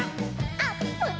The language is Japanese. あっ。